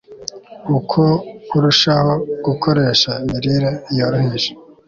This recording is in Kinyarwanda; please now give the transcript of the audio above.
Uko urushaho gukoresha imirire yoroheje